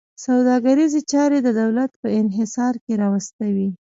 سوداګریزې چارې د دولت په انحصار کې راوستې وې.